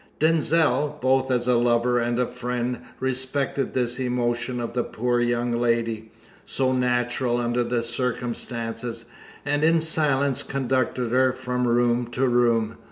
Denzil, both as a lover and a friend, respected this emotion of the poor young lady, so natural under the circumstances; and in silence conducted her from room to room.